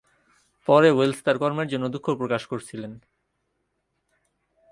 পরে ওয়েলস তার কর্মের জন্য দুঃখ প্রকাশ করেছিলেন।